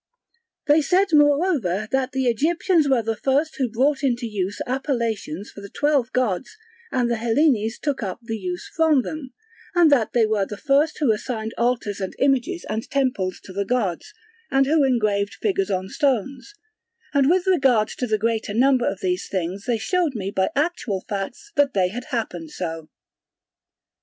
They said moreover that the Egyptians were the first who brought into use appellations for the twelve gods and the Hellenes took up the use from them; and that they were the first who assigned altars and images and temples to the gods, and who engraved figures on stones; and with regard to the greater number of these things they showed me by actual facts that they had happened so.